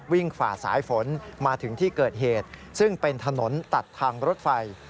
ฝ่าสายฝนมาถึงที่เกิดเหตุซึ่งเป็นถนนตัดทางรถไฟ